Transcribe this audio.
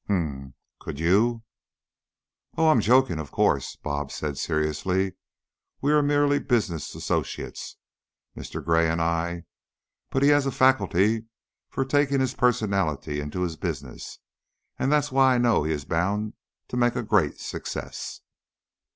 "Hm m! Could you?" "Oh, I'm joking, of course," "Bob" said, seriously. "We are merely business associates, Mr. Gray and I, but he has the faculty of taking his personality into his business, and that's why I know he is bound to make a great success."